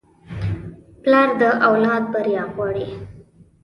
پلار د اولاد بریا غواړي.